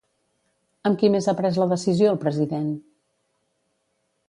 Amb qui més ha pres la decisió el president?